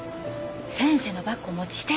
先生のバッグお持ちして。